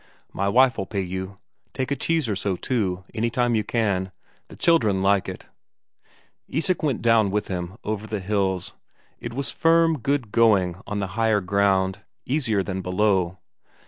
"My wife'll pay you. Take a cheese or so, too, any time you can. The children like it." Isak went with him up over the hills; it was firm, good going on the higher ground, easier than below.